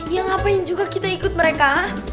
yang ngapain juga kita ikut mereka